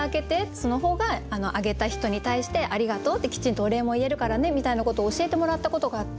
その方があげた人に対してありがとうってきちんとお礼も言えるからね」みたいなことを教えてもらったことがあって。